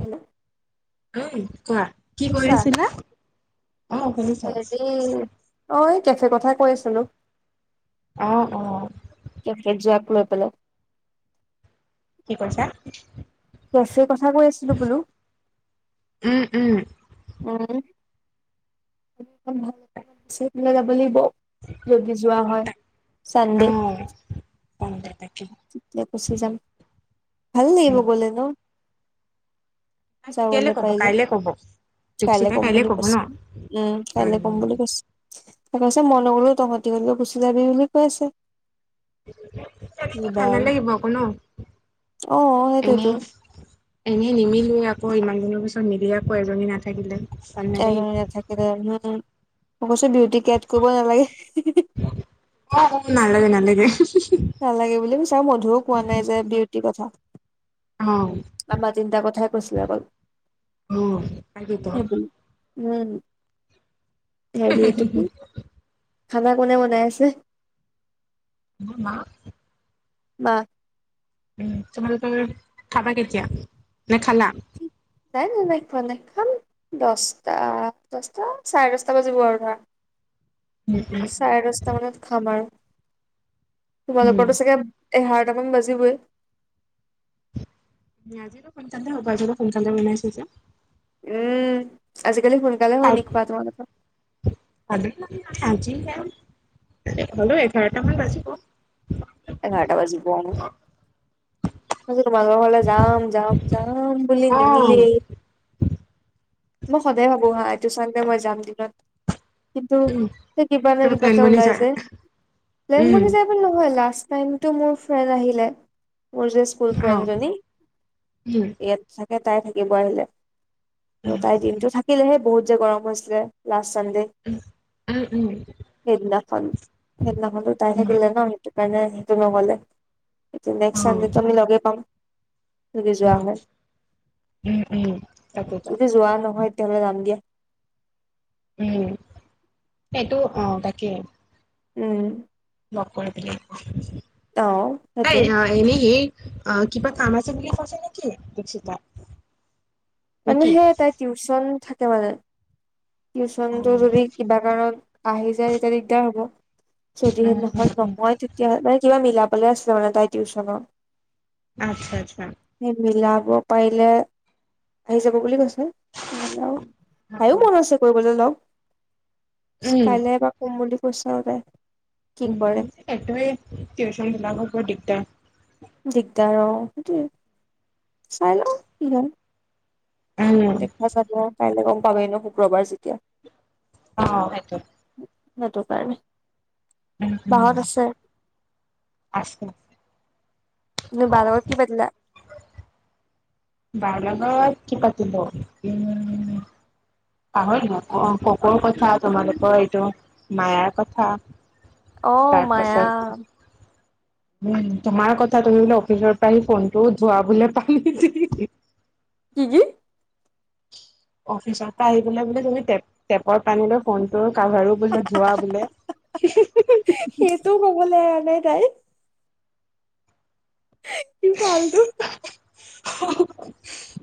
Hello উম কোৱা কি কৰি শুনিছা আছিলা? অ শুনিছচ উম। ঐ কেফে কথাই কৈ আছিলো। অ অ। কেফে যোৱা ফ্ল পেলাই। কি কৈছা? কেফে কথা কৈ আছিলো বোলো। উম উম অও ভাল, বিচাৰি পেলাই যাব লাগিব। যদি যোৱা হয় চানডে। চানডে তাকেই তেতিয়া গুচি যাম। ভাল লাগিব গলে ন। তাই কেতিয়ালে কব কাইলে কব। কাইলৈ দীপশিখাই কম কাইলে বুলি কব ন কৈছে উম কাইলৈ কম উম বুলি কৈছে। সি কৈছে মই নগ'লেও তহঁতি হলেও গুচি যাবি বুলি কৈছে। ভাল আৰু নালাগিব আকৌ ন, অ সেইটোয়েতো এনেই। এনেই নিমিলোৱে আকৌ ইমান দিনৰ পিছত মিলি আকৌ এজনী নাথাকিলে। ভাল নালাগিব এজনী নাথাকিলে ন মই কৈছো বিউটি কেত কৰিব নালাগে। অ নালাগে নালাগে। নালাগে বুলি কৈছে আৰু মধুও কোৱা নাই যে বিউটিৰ কথা। অহ। আমাৰ তিনিটা কথাই কৈছিলে অকল। আৰু খাই কেইটা। সেইবুলি উম হেৰি, এইটো কোন? খানা কোনে বনাই আছে? [unintelligible] বাহ। উ তোমালোকে খাবা কেতিয়া, নে খালা? নাই নাই নাই খোৱা নাই খাম দহটা দহটা চাৰে দহটা বাজিব আৰু ধৰা। উম উম চাৰে দচটা মানত খাম আৰু উম তোমালোকৰতো চাগে এঘাৰটা মান বাজিবই। আজি টো সোনকালে হ'ব আজি সোনকালে বনাইছে যে। উম আজিকালি সোনকালে হয় নি খোৱা তোমালোকৰ। [unintelligible] হ'লো এঘাৰটা মান বাজিব। এঘাৰটা বাজিব অ। মই যে তোমালোকৰ ঘৰলে যাম যাম যাম বুলি অ' নিমিলেই। মই সদায় ভাবো হা এইটো চানদে মই যাম দিনত। কিন্তু উম সেই কিবা ন কিবা প্লেন এটা বনি ওলাই যায় যে প্লেন উম বনি যাই। নহয় লাষ্ট টাইম টো মোৰ ফ্ৰেড আহিলে মোৰ জেষ্ট স্কুল অ' ফ্ৰেণ্ডজনী, উম ইয়াত চাগে তাই থাকিব আহিলে। ত', উম তাই দিনটো থাকিলেহে বহুত যে গৰম হৈছিলে লাষ্ট চানডে', উহ উম উম। সেইদিনাখন, সেইদিনাখন টো তাই উম থাকিলে ন সেইটো কাৰণে সেইটো নহ'লে', নেক্সট অ' চানডেটো আমি লাগে', ফুৰিব যোৱা উম হ'ল, উম তাকেতো এতিয়া যোৱা নহয় তেলৈ যামি দিয়া', উম', সেইটো অ', তাকেই', উম', নকৰি বুলি কৈছে', তই, সেইটোৱে', এনে হেৰি, আ', কিবা কাম আছে বুলি কৈছে নেকি দীপশিখা? মানে, সেই তাইৰ টিউচন থাকে মানে', টিউচনটো উম যদি কিবা কাৰণত আহি যায়, তেতিয়া দিগদাৰ হ'ব', যদিহে উম উম নহয়, উম, নহয় তেতিয়া মানে কিবা মিলাবলে আছিলে মানে তাই টিউচনৰ', আচ্ছা', আচ্ছা', সি মিলাব পাৰিলে, আহি যাব বুলি কৈছে', মানে, তাইও মন আছে কৰিবলৈ লগ, উম কাইলে বা', কম বুলি কৈছে আৰু তাই', কি কৰে উম', এইটোৱে টিউচন বিলাকত বৰ দিগদাৰ', দিগদাৰ, সেইটোৱে, চাই লওঁ কি হয়', উম, দেখা চাব, কাইলৈ গম পাবেই ন শুক্ৰবাৰ যেতিয়া? অ', সেইটো', সেইটো কাৰণে', উম', বাহত হুম', আছে আছোঁ', তুমি বাৰ লগত কি পাতিলা? বাৰ লগত কি পাতিব? উম', পাহৰি অ', ককৰ কথা তোমালোকৰ এইটো মায়াৰ কথা', অ', তাৰপাছত মায়া', উম, তোমাৰ কথা তুমি বোলে অফিচৰ পৰা ফোনটো ধোৱা বোলে পানী দি', দি', কি -কি? অফিচৰ পৰা আহি বোলে তুমি টেপ- টেপৰ পানী লৈ ফোনটোৰ কাভাৰো', বোলে, ধোৱা বোলে, হিঃ হিঃ হিঃ হিঃ হিঃ', সেইটোও কবলৈ এৰা নাই তাই? হিঃ, কি ফালটো', হ-হ,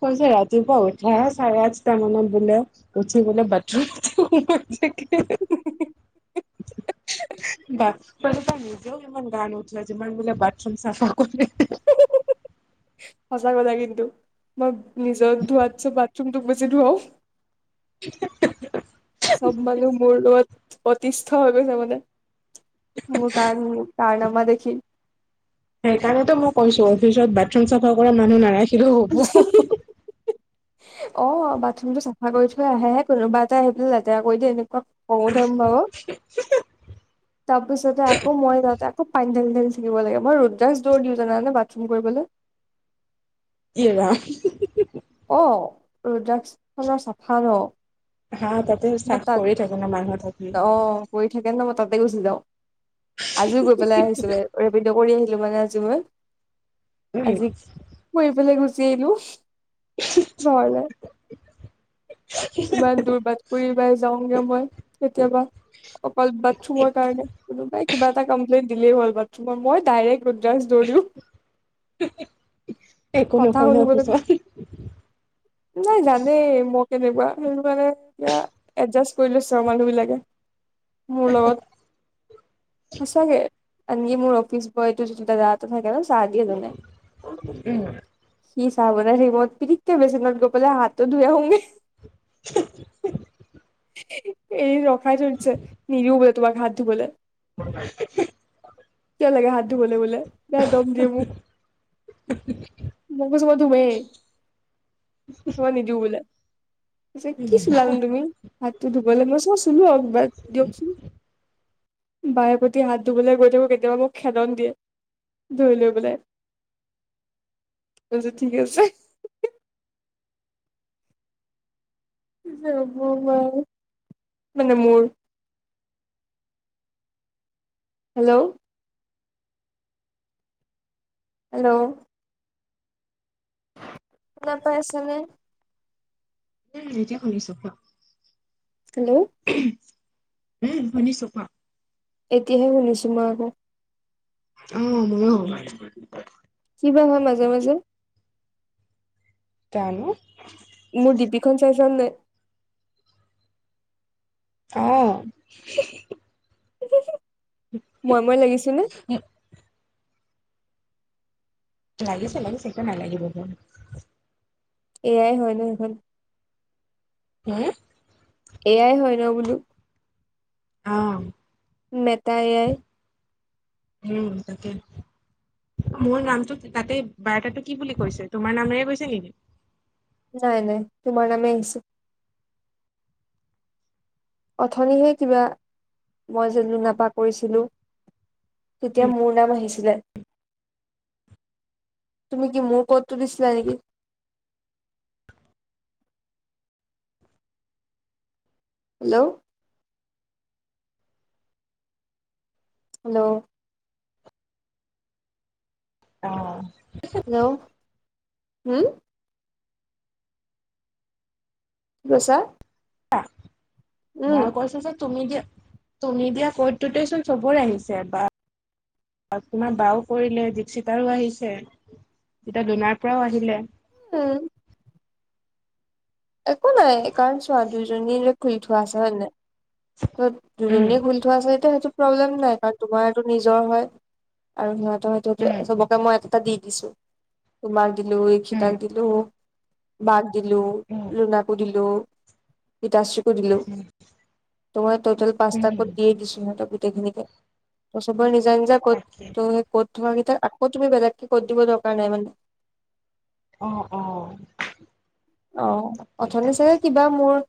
কৈছে ৰাতিপুৱা উঠাই চাৰে আঠটা মানত বোলে', উঠি বোলে বাথৰুমতে হিঃহিঃ হিঃ সোমাই থাকা হা- হা', হে -হে হিঃ- হিঃ, বাথ', ক'লে, তাই নিজেও ইমান গা নুধুৱে, যিমান বোলে বাথৰুম চাফা কৰি হিঃ- হিঃ- হি‌ঃ', হিঃ- হিঃ- হিঃ, সঁচা কথা কিন্তু মই', নিজৰ ধুৱাতছে বাথৰুম তোক বেছি ধুৱও', চব মানুহ মোৰ লগত অতিষ্ঠ হৈ গৈছে মানে', মোৰ কাৰ, কাৰণামা দেখি', সেইকাৰণেতো মই কৈছোঁ অফিচত বাথৰুম চাফা কৰা মানুহ নাৰাখিলেও হ'ব হ-হ', হিঃ', অ', বাথৰুমটো চাফা কৰি থৈ আহেহে কোনোবা এটাই আহি পেলেই লেতেৰা কৰি দিয়ে এনেকুৱা', খং উঠে মোৰ, তাৰপিছতে আকৌ মই লেতেৰাত আকৌ পানী ডালি ডালি', থাকিব লাগে, মই ৰুদ্ৰাক্স দৌৰ দিওঁ জানানে বাথৰুম কৰিবলে', ইৰা, হু- হু', অ', ৰুদ্ৰাক্সখনৰ চাফা ন', হা', তাতে মই চাফ তাত কৰি থাকে ন মানুহ থাকি', অ কৰি থাকে ন, মই তাতে গুছি যাওঁ, আজিও গৈ পেলেই আহিছিলে, ৰেপিড কৰি', মানে আজি মই উম আজি ফুৰিবলৈ গুচি আহিলোঁ। ঘৰলৈ, ইমান দূৰ বাট', ফুৰিবাই যাওঁগে মই কেতিয়াবা। অকল বাথৰুমৰ কাৰণে কোনোবাই কিবা এটা কমপ্লেইনট দিলেই হ'ল বাথৰুমৰ মই ডাইৰেক্ট ৰোদ্ৰাক্স দৌৰ দিওঁ, একো কথা নকয় ন শুনিবলৈ অফিচত নাই জানেই মই কেনেকুৱা সেইটো কাৰণে এতিয়া এডজাষ্ট কৰি লৈছে আৰু মানুহ বিলাকে মোৰ লগত সঁচাকে আনকি মোৰ অফিচ বয় যিটো [unintelligible] ত থাকে ন' চাহ দিয়ে যোনে, উম সি চাহ [unintelligible] পিৰিকে বেচনত গৈ পেলে হাতো ধুই আহোঁগে। [unintelligible] এদিন ৰখাই থৈ দিছে নিদিওঁ বোলে তোমাক হাত ধুবলে। কিয় লাগে হাত ধুবলৈ বোলে বেয়া দম দিয়ে মোক। [unintelligible] মই কৈছে মই ধুমেই। ধুব নিদিও বোলে পিছে উম কি চোলা নো তুমি হাতটো ধুবলৈ মই কৈছোঁ চ চোলো আৰু কিব দিয়কচোন। বাৰে পতি হাত ধুবলৈ গৈ থাকোঁ কেতিয়াবা মোক খেদন দিয়ে। ধৰি লৈ পেলাই, তাৰ পিছত ঠিকে আছে। কি যে হ'ব আমাৰ, মানে মোৰ। হেল্ল'। হেল্ল'। শুনা পাই আছেনে? উম এতিয়া শুনিছোঁ কোৱা। হেল্ল'। উম শুনিছোঁ কোৱা। এতিয়াহে শুনিছোঁ মই আকৌ। উম ময়ো কিবা হয় মাজে-মাজে। জানো। মোৰ ডিপিখন চাইছা নাই? অ' হো-হো, মই-মই লাগিছে নে? লাগিছে-লাগিছে কিয় নালাগিব আকৌ। এআই হয় ন' সেইখন। [unintelligible] এআই হয় ন' বোলো। অ' মেটা এআই উম তাকে। মোৰ নামটো তাতে বাৰ্তাটো কি বুলি কৈছে, তোমাৰ নামেৰে কৈছে নেকি। নাই-নাই তোমাৰ নামেই আহিছে। অথনিহে কিবা মই যে লোনাপা কৰিছিলোঁ। তেতিয়া মোৰ নাম আহিছিলে। তুমি কি মোৰ কডটো দিছিলা নেকি। হেল্ল'। হেল্ল'। অ'। হেল্ল', হুম। কি কৈছা? আ উম মই কৈছোঁ যে তুমি যে তুমি দিয়া কডটোতে চোন চবৰে আহিছে এবা আ তোমাৰ বাও কৰিলে জীপ চিতাৰো আহিছে। যেতিয়া দোনাৰ পৰাও আহিলে। উম। একো নাই এই কাৰণ চোৱা দুইজনী যে খুলি থোৱা আছে হয় নে নাই? ত উম দুজনীয়ে খুলি ত আচলতে সেইটো প্ৰব্লেম নাই কাৰণ তোমাৰটো নিজৰ হয় আৰু সিহঁতৰ সেইটো উম ত চবক ক মই এটা এটা দি দিছো, তোমাক দিলো এইখিতাক উম দিলো বাক দিলো, উম লোনাকো দিলো, গীতাশ্ৰী [unintelligible] ত' মই টটেল উম পাঁচটা ক'ত হম দিয়েই দিছো সিহঁতক গোটেইখিনিকে, ত চবৰে নিজা নিজা ক'ত তাকে তই কত থকা কেইতা আকৌ তুমি বেলেগকে কত দিব দৰকাৰ নাই মানে। অ অ অ তাকে অথনি তাকে চাগে কিব বা মোৰ,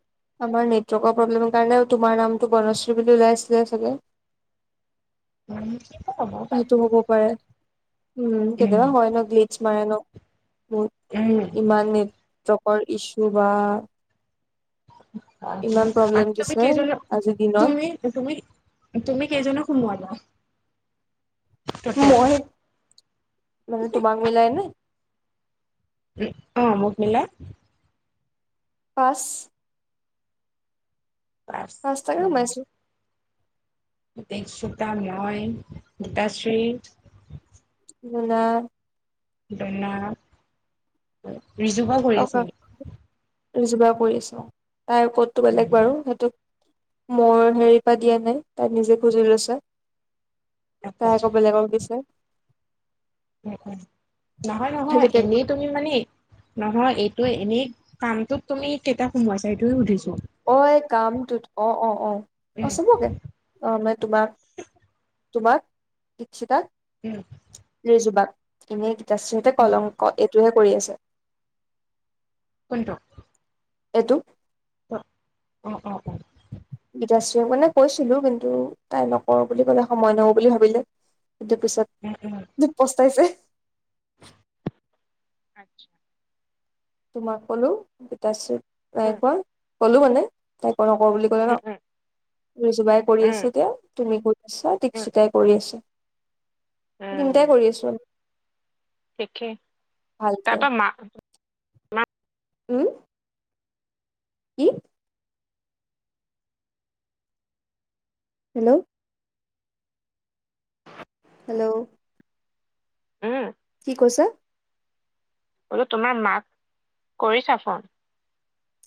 আমাৰ নেটৱৰ্কৰ প্ৰব্লেম কাৰণে তোমাৰ নামটো বনশ্ৰী বুলি ওলাই আছিলে চাগে? উম সেইটো হ'ব পাৰে সেইটো হ'ব পাৰে। উম কেতিয়াবা হয় ন গ্লিচ মৰা ন উম। উম। ইমান নেটৱৰ্কৰ ইছু বা! ইমান প্ৰব্লেম [unintelligible] তুমি দিছে কেইজ তুমি আজিৰ দিনত। তুমি তুমি, তুমি কেইজনক সোমোৱালা? টটেল মই মানে তোমাক মিলাই নে? উম, অ মোক মিলাই। পাঁচ পাঁচ তাকে সোমাইছো। দিক্ষিতা, মই, গীতাশ্ৰী। লুনা। দনা, ৰিজুু বা কৰি আছে নেকি? ৰিজু বা কৰি আছো, তাই ক'তটো বেলেগ বাৰু সেইটোত মই হেৰি পা দিয়া নাই তাই নিজে খুজি লৈছে। তাই আকৌ বেলেগক দিছে। নউম উম, নহয় নহয় সেইটো এনেই তুমি মানে নহয় এইটো এনেই কামটোত তুমি কেইটা সোমাইছা এইটো হে সুধিছো? অ এই কামটোত, অ অ অ অ উম, চবকে অ মানে তোমাক তোমাক, দিক্ষিতা উম। ৰিজুবাক, এনেই গীতাশ্ৰীহতে উম, কলংক এইটোহে কৰি আছে। কোনটো? এইটো। অ, অ অ অ। গীতাশ্ৰীয়ে মানে কৈছিলো কিন্তু তাই নকৰো বুলি কলে সময় নহব বুলি ভাবিলে। এতিয়া পিছত ওম ওম। তোক পস্তাইছে। [unintelligible] তোমাক কলো, গীতাশ্ৰী উম, নাইকোৱা কলো মানে। তাইক নকৰো বুলি ক'লে উম, ন? উম, ৰিজুবাই কৰি উম, আছে এতিয়া, তুমি কৰি আছা, উম, দীক্ষিতাই কৰি আছে। তিনটাই কৰি আছো। দেখে ভালকে তাৰপৰা মা উম। কি? Hello hello! উম কি কৈছ বোলো তোমাৰ মাক কৰিছা ফন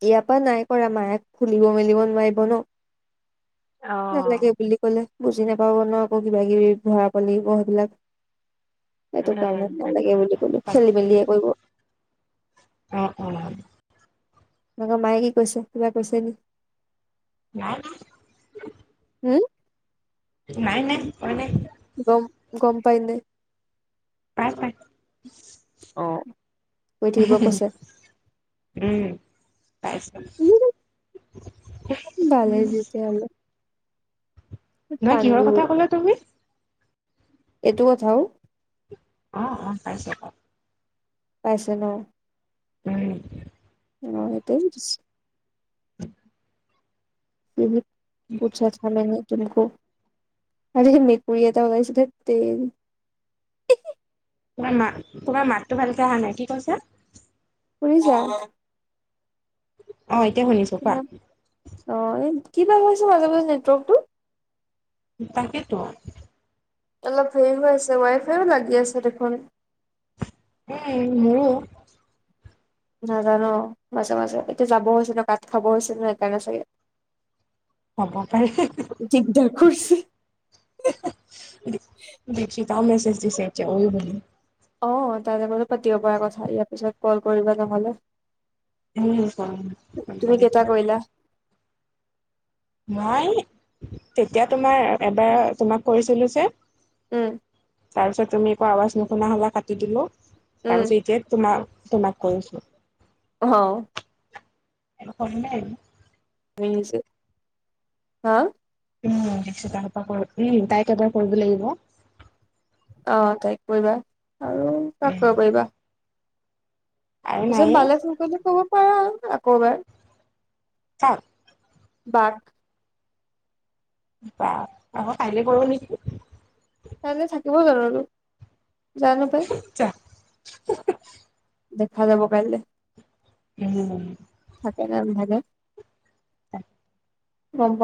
ইয়াৰ পৰা নাই কৰা মাই খুলিব মেলিব নোৱাৰিব ন অ', নালাগে বুলি কলে বুজি নাপাব ন আকৌ কিবা কিবি ভৰা পালিব সেইবিলাক সেইটো উম, কাৰণে সেইটো। নালাগে বুলি কলো খেলি মেলিয়ে কৰিব অ অ তাপা মায়ে কি কৈছে কিবা কৈছে নি। নাই নাই হম নাই নাই কোৱা নাই গম গম পাই নাই পাই পাই অ শুই থাকিব কৈছে উম পাইছে ডালে যেতিয়া হলেও নে কিহৰ কথা ক'লা তুমি এইটো কথাও অ অ পাইছো পাই পাইছ ন উম অ হেতেও বুজিছে উহু পুঠিয়া থলে নে তুমকৌ এহহ মেকুৰি এটা ওলাইছে ধেত তেৰি তোমাৰ মাত তোমাৰ মাততো ভালকে আহা নাই কি কৈছা? শুনিছ অ এতিয়া শুনিছো কোৱা অ এই কিবা হৈছে মাজে মাজে নেটৱৰ্ক টো তাকেইতো অলপ হেৰি হৈ আছে ৱাই ফাইও লাগি আছে দেখোন উম মোৰো নাজানো মাজে মাজে এতিয়া যাব হৈছিল ন কাত খাব হৈছে ন সেইকাৰনে চাগে হ'ব পাৰে। দিগদাৰ কৌৰছে দীক্ষিতাও মেছেজ দিছে এতিয়া অই বুলি অ তাই লগটো পাতিব পাৰা কথা ইয়াৰ পিছত কল কৰিবা নহ'লে তুমি কেইটা [unintelligible] কৰিলা মই তেতিয়া তোমাৰ এবাৰ তোমাক কৰিছিলো যে উম তাৰপিছত তুমি একো আৱাজ নুশুনা হলা কাটি দিলো তাৰপিছত উম এতিয়া তোমাৰ তোমাক কৰিছো অহ আৰু কৰিলো নিমিছে হা উম দিকশীকাহতৰ উম তাইক এবাৰ কৰিব লাগিব অ তাইক কৰিবা আৰু কাক উম, কৰিবা ৰবা আৰু তাৰছত নাইয়ে মালে ফন কৰিলে কৰিব পাৰা আকৌ এবাৰ কাক বাক বাহ আকৌ কাইলে কৰো নেকি। কাইলে থাকিব জানো এইটো জানো পায়। [unintelligible] যা দেখা যাব কাইলে। উম' থাকে নে নাথাকে। তাক [unintelligible] হয় হয় [unintelligible]